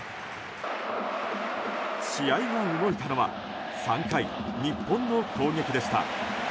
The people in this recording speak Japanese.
試合が動いたのは３回、日本の攻撃でした。